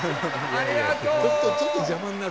ありがとう！